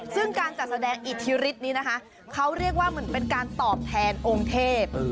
ซึ่งการจัดแสดงอิทธิฤทธินี้นะคะเขาเรียกว่าเหมือนเป็นการตอบแทนองค์เทพ